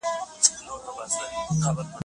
لمنه پسې وڅښیږي